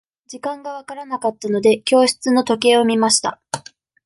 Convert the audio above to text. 時間が分からなかったので、教室の時計を見ました。